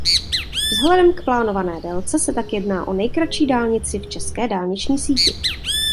Vzhledem k plánované délce se tak jedná o nejkratší dálnici v české dálniční síti.